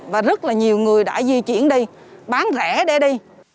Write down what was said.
và rất là nhiều người đã di chuyển đi bán rẻ để đi